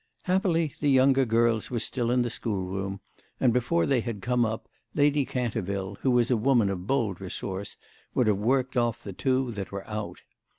Happily the younger girls were still in the schoolroom, and before they had come up, Lady Canterville, who was a woman of bold resource, would have worked off the two that were out.